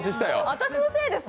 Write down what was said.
私のせいですか？